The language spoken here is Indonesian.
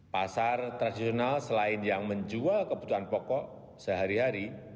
pasar tradisional selain yang menjual kebutuhan pokok sehari hari